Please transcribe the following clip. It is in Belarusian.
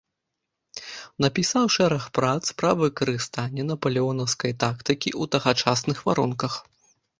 Напісаў шэраг прац пра выкарыстанне напалеонаўскай тактыкі ў тагачасных варунках.